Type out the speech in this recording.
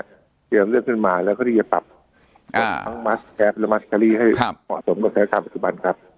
เตรียมเลือกขึ้นมาแล้วก็ที่จะปรับทั้งมัสแก๊สและมัสเกอรี่ให้เหมาะสมกับสถานการณ์ปัจจุบันครับ